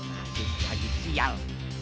masih lagi sial